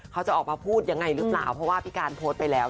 เขาจะออกมาพูดยังไงหรือเปล่าเพราะว่าพี่การโพสต์ไปแล้ว